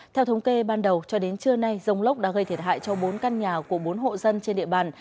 theo thống kê ban đầu cho đến trưa nay dông lốc đã gây thiệt hại cho bốn căn nhà của bốn hộ dân trên địa bàn